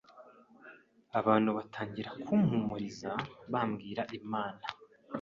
abantu batangira kumpumuriza bambwira Imana